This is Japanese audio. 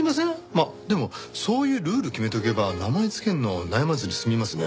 まあでもそういうルール決めとけば名前付けるの悩まずに済みますね。